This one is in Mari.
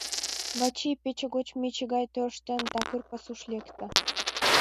Вачи, пече гоч мече гай тӧрштен, такыр пасуш лекте.